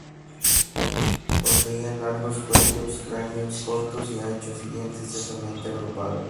Poseían largos cuellos, cráneos cortos y anchos y dientes densamente agrupados.